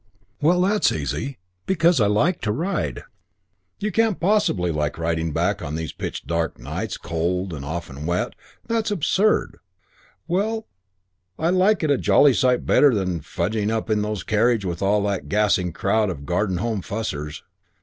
"Well, that's easy because I like the ride." "You can't possibly like riding back on these pitch dark nights, cold and often wet. That's absurd." "Well, I like it a jolly sight better than fugging up in those carriages with all that gassing crowd of Garden Home fussers."